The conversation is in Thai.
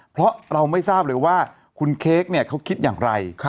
เพราะเราไม่ทราบเลยว่าคุณเค้กเขาคิดอย่างไร